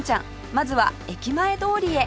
まずは駅前通りへ